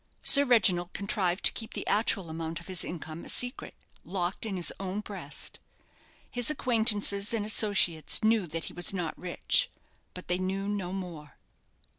Sir Reginald contrived to keep the actual amount of his income a secret locked in his own breast. His acquaintances and associates knew that he was not rich; but they knew no more.